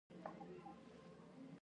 موټر باید په ډیر ښه حالت کې وساتل شي